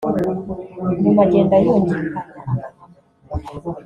nyuma agenda yungikanya amahano